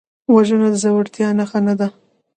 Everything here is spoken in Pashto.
وژنه د زړورتیا نښه نه ده